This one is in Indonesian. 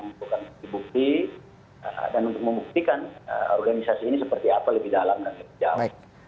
untuk membuktikan organisasi ini seperti apa lebih dalam dan lebih jauh